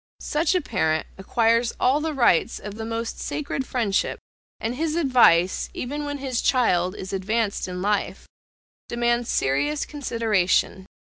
Such a parent acquires all the rights of the most sacred friendship, and his advice, even when his child is advanced in life, demands serious consideration.